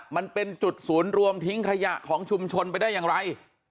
มันเป็นจุดศูนย์รวมทิ้งขยะของชุมชนไปได้อย่างไร